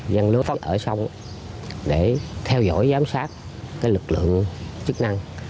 dân lưu phân ở sông để theo dõi giám sát lực lượng chức năng